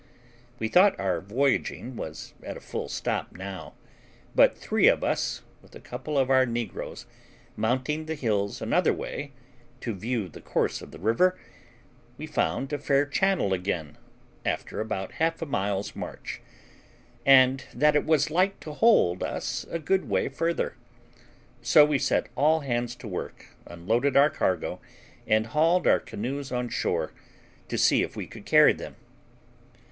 We thought our voyaging was at a full stop now; but three of us, with a couple of our negroes, mounting the hills another way, to view the course of the river, we found a fair channel again after about half a mile's march, and that it was like to hold us a good way further. So we set all hands to work, unloaded our cargo, and hauled our canoes on shore, to see if we could carry them.